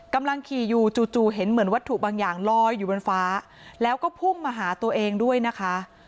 กำลังขี่อยู่จู่เห็นเหมือนวัตถุบางอย่างลอยอยู่บนฟ้าแล้วก็พุ่งมาหาตัวเองด้วยนะคะ